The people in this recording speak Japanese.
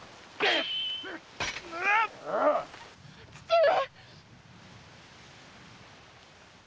父上！